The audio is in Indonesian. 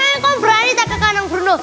aku berani tak ke kanang duno